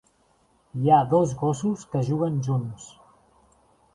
Hi ha dos gossos que juguen junts.